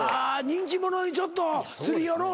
人気者にちょっとすり寄ろうと。